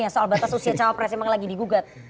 yang soal batas usia cawapres memang lagi digugat